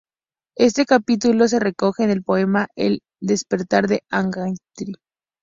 Este capítulo se recoge en el poema "El despertar de Angantyr".